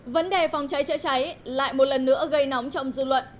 vấn đề phòng cháy chữa cháy lại một lần nữa gây nóng trong dư luận